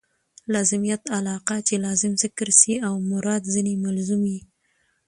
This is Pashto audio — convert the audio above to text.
لازمیت علاقه؛ چي لازم ذکر سي او مراد ځني ملزوم يي.